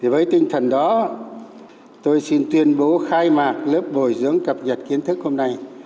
với tinh thần đó tôi xin tuyên bố khai mạc lớp bồi dưỡng cập nhật kiến thức hôm nay